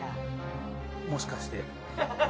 もしかして。